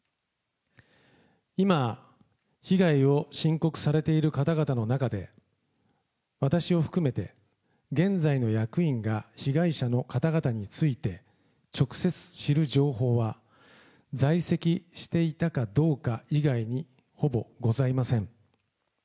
今、被害を申告されている方々の中で、私を含めて現在の役員が被害者の方々について直接知る情報は、在籍していたかどうか以外にほぼございません。